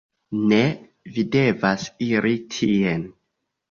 Ne, vi devas iri tien.